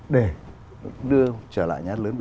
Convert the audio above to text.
để đưa trở lại nhà đất lớn